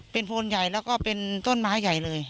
เป็นโพนใหญ่แล้วก็เป็นต้นไม้ใหญ่เลย